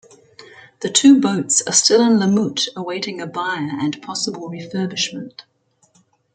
The two boats are still in Lumut awaiting a buyer and possible refurbishment.